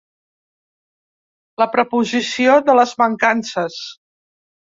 La preposició de les mancances.